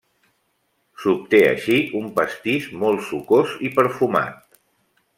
S'obté així un pastís molt sucós i perfumat.